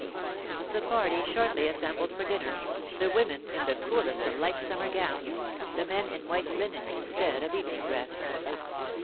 The party shortly assembled for dinner, the women in the coolest of light summer gowns, the men in white linen instead of evening dress.